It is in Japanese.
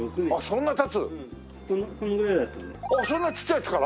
そんなちっちゃいやつから？